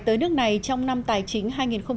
tới nước này trong năm tài chính